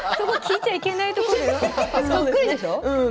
そっくりでしょう？